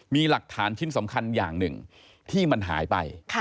มีหลักฐานชิ้นสำคัญอย่างหนึ่งที่มันหายไป